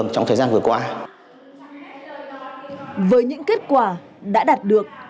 chủ tượng kết quả đã đạt được